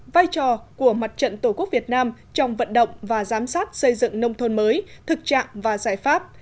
vai trò của mặt trận tổ quốc việt nam trong vận động và giám sát xây dựng nông thôn mới thực trạng và giải pháp